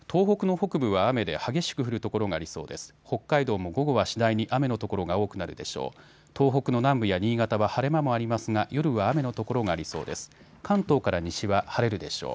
北海道も午後は次第に雨の所が多くなるでしょう。